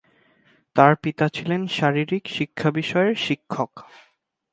তার পিতা ছিলেন শারীরিক শিক্ষা বিষয়ের শিক্ষক।